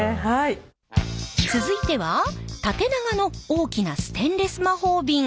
続いては縦長の大きなステンレス魔法瓶。